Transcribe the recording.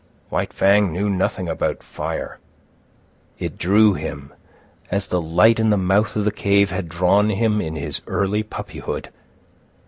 White Fang knew nothing about fire. It drew him as the light, in the mouth of the cave had drawn him in his early puppyhood.